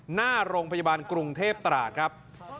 หน้าโรงพยาบาลกรุงเทพตราดครับ